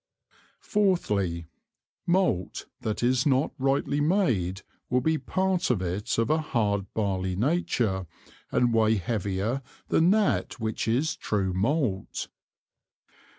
Fourthly, Malt that is not rightly made will be part of it of a hard Barley nature, and weigh heavier than that which is true Malt.